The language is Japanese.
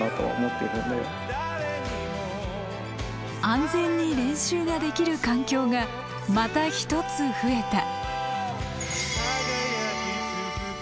安全に練習ができる環境がまた一つ増えた。